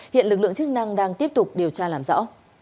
hiện lực lượng chức năng đang tiếp tục điều tra làm rõ